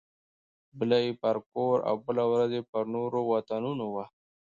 بله یې پر کور او بله ورځ یې پر نورو وطنونو وه.